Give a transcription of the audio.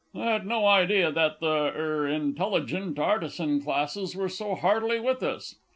I had no idea that the er intelligent artisan classes were so heartily with us.